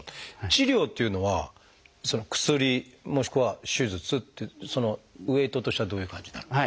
治療っていうのは薬もしくは手術ってウエイトとしてはどういう感じになる？